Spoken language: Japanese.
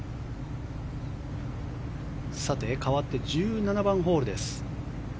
かわって１７番ホールです。